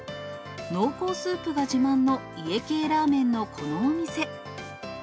濃厚スープが自慢の家系ラーメンのこのお店。